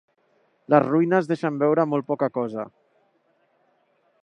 Les ruïnes deixen veure molt poca cosa.